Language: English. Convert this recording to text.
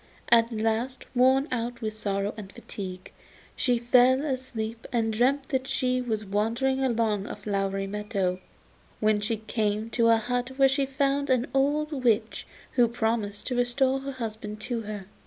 At last, worn out with sorrow and fatigue, she fell asleep and dreamt that she was wandering along a flowery meadow, when she came to a hut where she found an old witch, who promised to restore her husband to her.